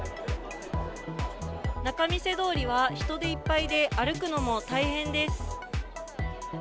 仲見世通りは人でいっぱいで、歩くのも大変です。